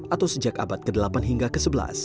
atau sejak abad ke delapan hingga ke sebelas